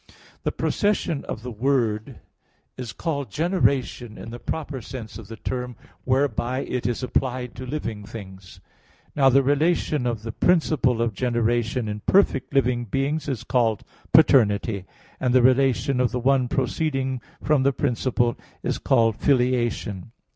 The procession of the Word is called generation in the proper sense of the term, whereby it is applied to living things. Now the relation of the principle of generation in perfect living beings is called paternity; and the relation of the one proceeding from the principle is called filiation.